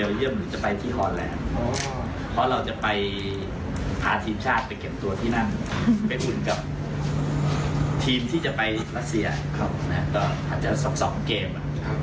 แล้วอาจจะสกเกม